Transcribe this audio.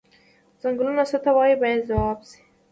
څنګلونه څه ته وایي باید ځواب شي.